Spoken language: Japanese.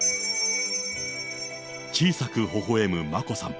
小さくほほえむ眞子さん。